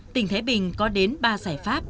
tỉnh thế bình có đến ba giải pháp